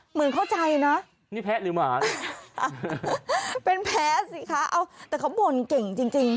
เหมือนเข้าใจนะนี่แพ้หรือหมาเป็นแพ้สิคะเอาแต่เขาบ่นเก่งจริงจริง